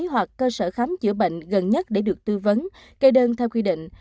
hoặc cơ sở khám chữa bệnh gần nhất để được tư vấn kê đơn theo quy định